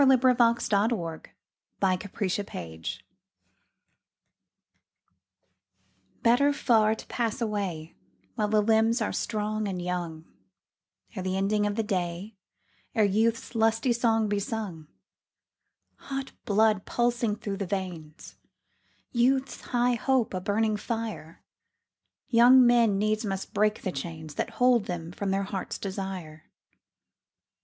XV Better Far to Pass Away BETTER far to pass away While the limbs are strong and young, Ere the ending of the day, Ere youth's lusty song be sung. Hot blood pulsing through the veins, Youth's high hope a burning fire, Young men needs must break the chains That hold them from their hearts' desire.